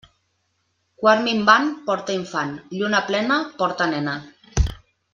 Quart minvant porta infant; lluna plena porta nena.